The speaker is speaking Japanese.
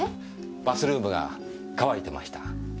バスルームが乾いてました。